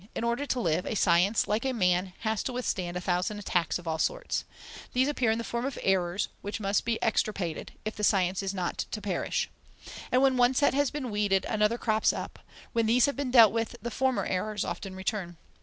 In order to live, a science, like a man, has to withstand a thousand attacks of all sorts. These appear in the form of errors, which must be extirpated, if the science is not to perish. And when one set has been weeded, another crops up; when these have been dealt with, the former errors often return.